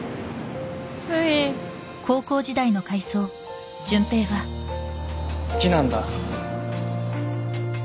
すい好きなんだ